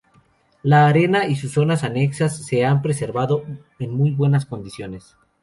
La arena y sus zonas anexas se han preservado en muy buenas condiciones.